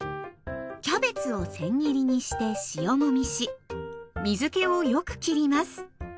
キャベツをせん切りにして塩もみし水けをよくきります。